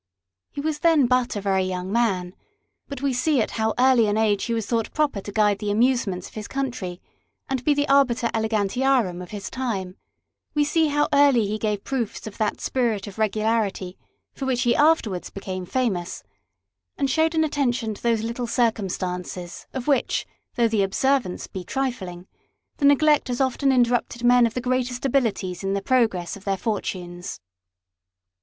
He was then but a very young man ; but we see at how early an age he was thought proper to guide the amusements of his country, and be the Arbiter Elegantiarum of his time ; we see how early he gave proofs of that spirit of regularity, for which he afterwards became famous, and showed an attention to those little circumstances, of which, though the observance be trifling, the neglect has often interrupted men of the greatest abilities in the progress of their fortunes.